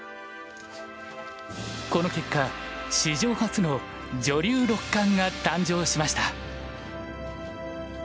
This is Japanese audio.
この結果史上初の女流六冠が誕生しました。